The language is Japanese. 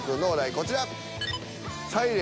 こちら。